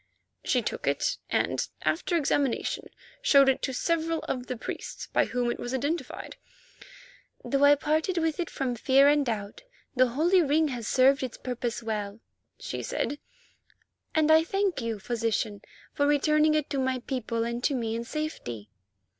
She took it and, after examination, showed it to several of the priests, by whom it was identified. "Though I parted from it with fear and doubt, the holy ring has served its purpose well," she said, "and I thank you, Physician, for returning it to my people and to me in safety."